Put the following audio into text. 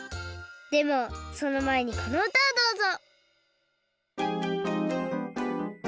でもそのまえにこのうたをどうぞ！